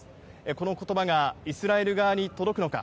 このことばが、イスラエル側に届くのか。